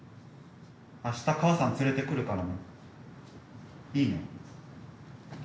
あした母さん連れてくるからね。いいね。